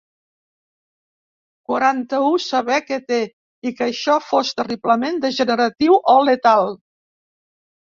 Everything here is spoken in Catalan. Quaranta-u saber què té i que això fos terriblement degeneratiu o letal.